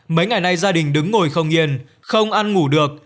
mấy ngày nay gia đình đứng ngồi không yên không ăn ngủ được